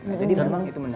nah jadi memang itu menarik